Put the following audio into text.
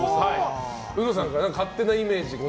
うのさんから勝手なイメージ